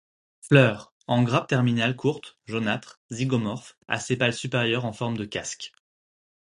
Fleurs: en grappes terminales courtes, jaunâtres, zygomorphes, à sépale supérieur en forme de casque.